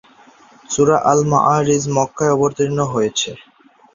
সূরা আল-মাআরিজ মক্কায় অবতীর্ণ হয়েছে।